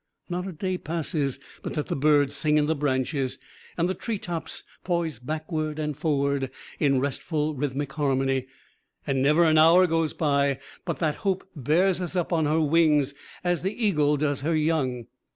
Not a day passes but that the birds sing in the branches, and the tree tops poise backward and forward in restful, rhythmic harmony, and never an hour goes by but that hope bears us up on her wings as the eagle does her young.